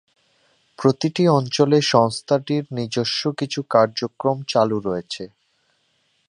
প্রতিটি অঞ্চলে সংস্থাটির নিজস্ব কিছু কার্যক্রম চালু রয়েছে।